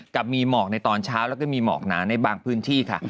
กับมีหมอกในตอนเช้าแล้วก็มีหมอกหนาในบางพื้นที่ค่ะ